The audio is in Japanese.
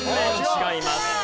違います。